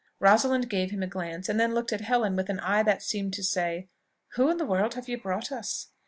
Rosalind gave him a glance, and then looked at Helen with an eye that seemed to say, "Who in the world have you brought us?"